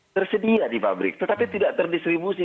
tersedia di pabrik tetapi tidak terdistribusi